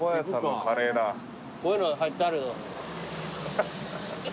こういうのが貼ってあるだろ。